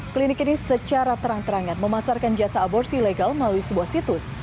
klinik ini secara terang terangan memasarkan jasa aborsi ilegal melalui sebuah situs